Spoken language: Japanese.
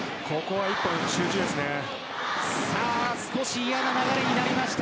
少し嫌な流れになりました。